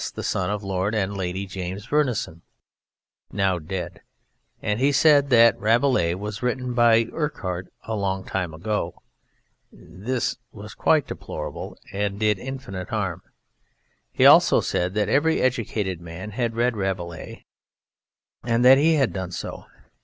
the son of Lord and Lady James Verneyson, now dead), and he said that Rabelais was written by Urquhart a long time ago; this was quite deplorable and did infinite harm. He also said that every educated man had read Rabelais, and that he had done so.